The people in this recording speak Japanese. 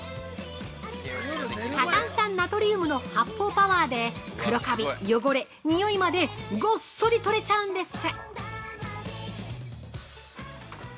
過炭酸ナトリウムの発泡パワーで黒かび、汚れ、においまでごっそり取れちゃうんです。